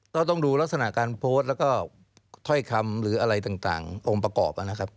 ต้องดูลักษณะการโพสต์แล้วก็ถ้อยคำหรืออะไรต่างองค์ประกอบนะครับ